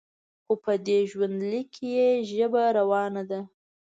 خو په دې ژوندلیک کې یې ژبه روانه ده.